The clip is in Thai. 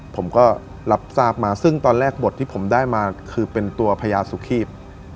ผมก็รับทราบมาซึ่งตอนแรกบทที่ผมได้มาคือเป็นตัวพญาสุคีบ